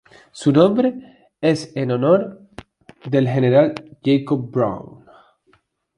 Su nombre es en honor del general Jacob Brown.